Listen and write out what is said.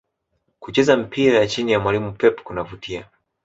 Kucheza mpira chini ya mwalimu Pep kunavutia